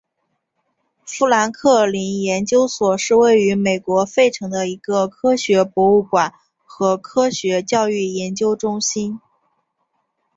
富兰克林研究所是位于美国费城的一个科学博物馆和科学教育研究中心。